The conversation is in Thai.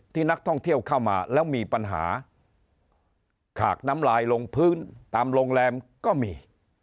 ที่นักท่องเที่ยวเข้ามาแล้วมีปัญหาขากน้ำลายลงพื้นตามโรงแรมก็มี